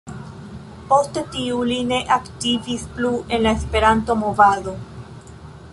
Poste tio, li ne aktivis plu en la Esperanto-movado.